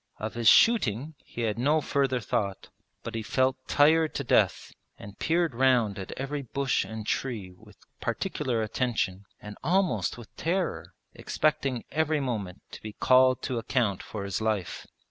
Of his shooting he had no further thought; but he felt tired to death and peered round at every bush and tree with particular attention and almost with terror, expecting every moment to be called to account for his life.